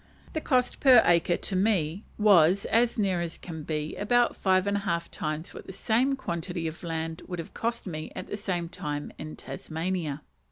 The cost per acre to me was, as near as can be, about five and a half times what the same quantity of land would have cost me at the same time in Tasmania.